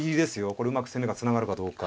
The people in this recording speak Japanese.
これうまく攻めがつながるかどうか。